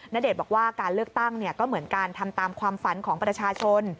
ณเดชน์บอกว่าการเลือกตั้งก็เหมือนการทำตามความฝันของประชาชน